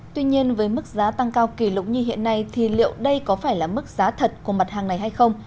tuy nhiên với mức giá tăng cao kỷ lục như hiện nay thì liệu đây có phải là mức giá thật của mặt hàng này hay không